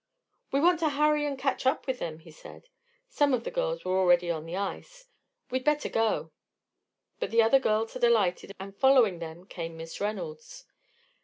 "We want to hurry and catch up with them," he said. Some of the girls were already on the ice. "We'd better go." But the other girls had alighted, and following them came Miss Reynolds.